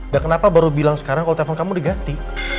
dan kenapa baru bilang sekarang kalau handphone kamu diganti